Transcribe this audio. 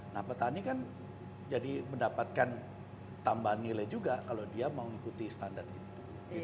nah petani kan jadi mendapatkan tambahan nilai juga kalau dia mau mengikuti standar itu